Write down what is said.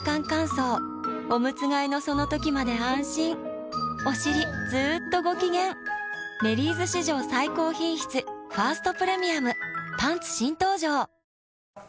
乾燥おむつ替えのその時まで安心おしりずっとご機嫌「メリーズ」史上最高品質「ファーストプレミアム」パンツ新登場！